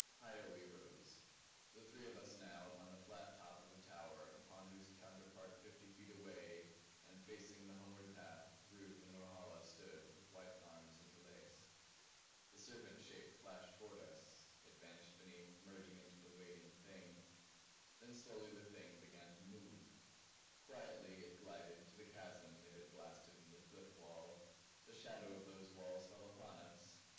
Higher we rose; the three of us now upon the flat top of a tower upon whose counterpart fifty feet away and facing the homeward path, Ruth and Norhala stood with white arms interlaced. The serpent shape flashed toward us; it vanished beneath, merging into the waiting Thing. Then slowly the Thing began to move; quietly it glided to the chasm it had blasted in the cliff wall. The shadow of those walls fell upon us.